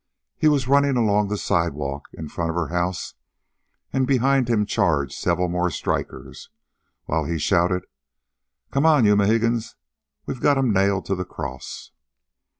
He was running along the sidewalk, in front of her house, and behind him charged several more strikers, while he shouted: "Come on, you Mohegans! We got 'em nailed to the cross!"